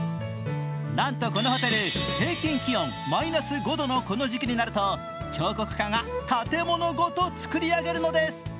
なんとこのホテル、平均気温マイナス５度のこの時期になると彫刻家が建物ごと造り上げるのです。